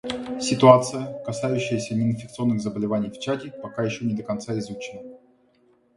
Ситуация, касающаяся неинфекционных заболеваний в Чаде, пока еще не до конца изучена.